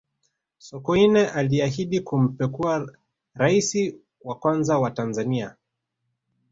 sokoine aliahidi kumpekua raisi wa kwanza wa tanzania